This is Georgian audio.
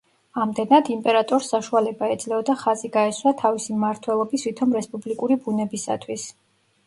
ამდენად, იმპერატორს საშუალება ეძლეოდა ხაზი გაესვა თავისი მმართველობის ვითომ რესპუბლიკური ბუნებისათვის.